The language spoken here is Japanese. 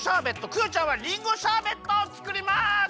クヨちゃんはりんごシャーベットをつくります！